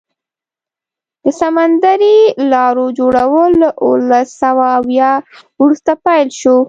د سمندري لارو جوړول له اوولس سوه اویا وروسته پیل شو.